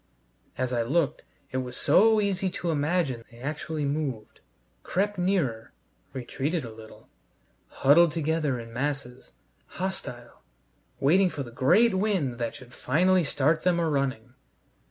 As I looked it was so easy to imagine they actually moved, crept nearer, retreated a little, huddled together in masses, hostile, waiting for the great wind that should finally start them a running.